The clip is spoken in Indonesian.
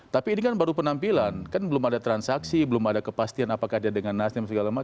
tapi ini kan baru penampilan kan belum ada transaksi belum ada kepastian apakah dia dengan nasdem segala macam